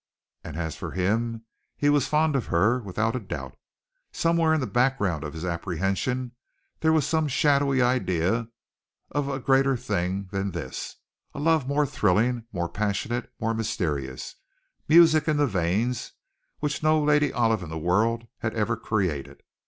And as for him, he was fond of her, without a doubt. Somewhere in the background of his apprehension there was some shadowy idea of a greater thing than this, a love more thrilling, more passionate, more mysterious, music in the veins, which no Lady Olive in the world had ever created.